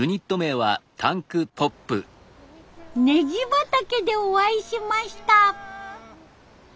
ネギ畑でお会いしました。